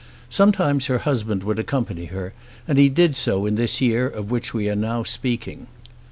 Sometimes her husband would accompany her, and he did so in this year of which we are now speaking.